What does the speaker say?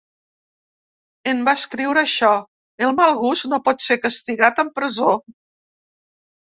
En va escriure això: El mal gust no pot ser castigat amb presó.